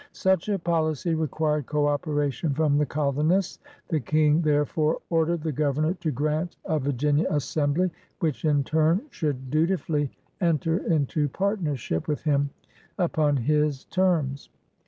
Such a policy required coSperation from the colonists. The King therefore ordered the Governor to grant a Virginia Assembly, which in turn should duti fully enter into partnership with him — upon his terms.